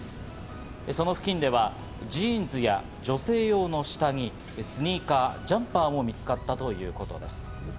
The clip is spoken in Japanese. その付近ではジーンズや女性用の下着、スニーカー、ジャンパーも見つかったということです。